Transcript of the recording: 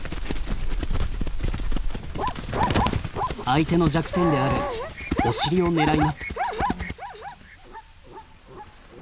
相手の弱点であるお尻を狙います。